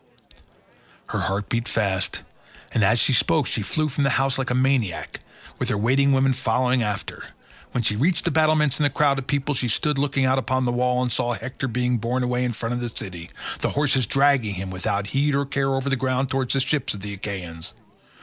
Her heart beat fast, and as she spoke she flew from the house like a maniac, with her waiting women following after. When she reached the battlements and the crowd of people, she stood looking out upon the wall, and saw Hector being borne away in front of the city—the horses dragging him without heed or care over the ground towards the ships of the Achaeans.